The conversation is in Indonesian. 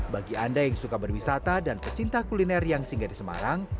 bagi anda yang suka berwisata dan pecinta kuliner yang singgah di semarang